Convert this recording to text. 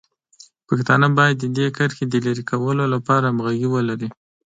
پښتانه باید د دې کرښې د لرې کولو لپاره همغږي ولري.